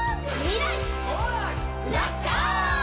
「らっしゃい！」